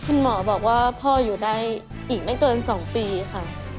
คุณหมอบอกว่าพ่ออยู่ได้อีกไม่เกิน๒ปีค่ะ